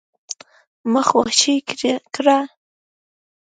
ما خوشي کړه ؟